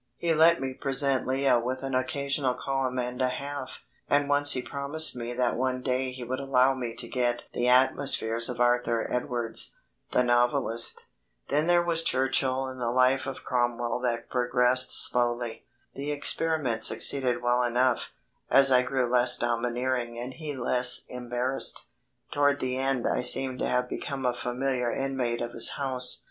He let me present Lea with an occasional column and a half; and once he promised me that one day he would allow me to get the atmosphere of Arthur Edwards, the novelist. Then there was Churchill and the Life of Cromwell that progressed slowly. The experiment succeeded well enough, as I grew less domineering and he less embarrassed. Toward the end I seemed to have become a familiar inmate of his house.